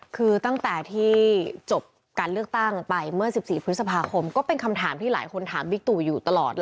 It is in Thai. คือตั้งแต่ที่จบการเลือกตั้งไปเมื่อ๑๔พฤษภาคมก็เป็นคำถามที่หลายคนถามบิ๊กตู่อยู่ตลอดเลย